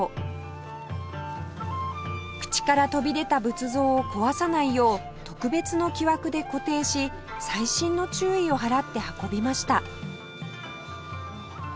口から飛び出た仏像を壊さないよう特別の木枠で固定し細心の注意を払って運びました